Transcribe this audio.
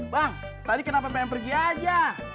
bang tadi kenapa pengen pergi aja